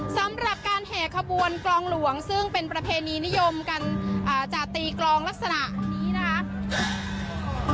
สำหรับการแห่ขบวนกลองหลวงซึ่งเป็นประเพณีนิยมกันจะตีกลองลักษณะนี้นะคะ